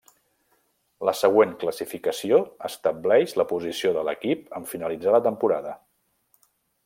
La següent classificació estableix la posició de l'equip en finalitzar la temporada.